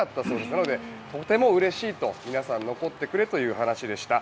なので、皆さんとてもうれしいと皆さん残ってくれということでした。